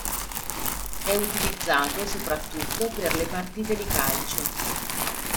È utilizzato soprattutto per le partite di calcio.